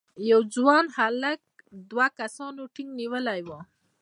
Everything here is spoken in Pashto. یو ځوان هلک دوه کسانو ټینک نیولی و.